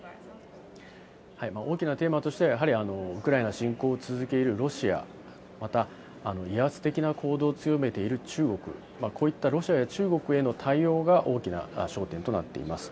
大きなテーマとしては、やはりウクライナ侵攻を続けているロシア、また、威圧的な行動を強めている中国、こういったロシアや中国への対応が大きな焦点となっています。